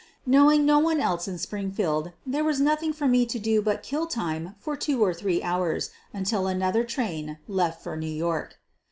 Knowing no one else in Springfield, there was nothing for me to do but kill time for two or three hours until another train left for New York.